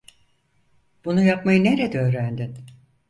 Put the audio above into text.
Bunu yapmayı nerede öğrendin?